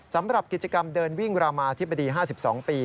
สำหรับกิจกรรมเดินวิ่งรามาธิบดี๕๒ปี